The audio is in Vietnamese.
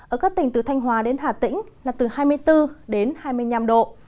ở các tỉnh từ thanh hóa đến hà tĩnh là từ hai mươi bốn đến hai mươi năm độ